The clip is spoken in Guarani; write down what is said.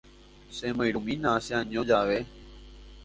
Chemoirũmína che'año jave.